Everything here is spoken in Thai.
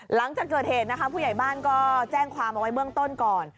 หลังจากเกิดเหตุนะคะผู้ใหญ่บ้านก็แจ้งความเอาไว้เบื้องต้นก่อน